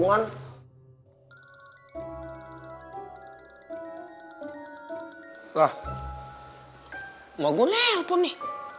ah ah ah hai mau gue nelfon nih